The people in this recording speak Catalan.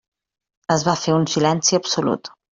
Es va fer un silenci absolut.